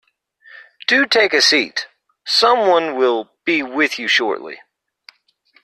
Do take a seat. Someone will be with you shortly.